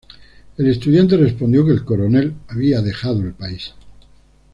El estudiante respondió que el coronel había dejado el país.